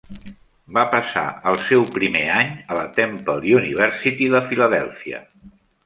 Va passar el seu primer any a la Temple University de Filadèlfia.